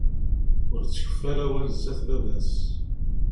Ur d-tkeffu ara awal zdat baba-s.